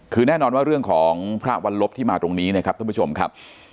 คือแน่นอนว่าเรื่องของพระวันลบที่มาตรงนี้นะครับท่านผู้ชมครับ